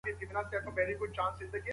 علمي مجله په ناقانونه توګه نه جوړیږي.